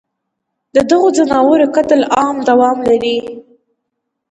ددغو ځناورو قتل عام دوام لري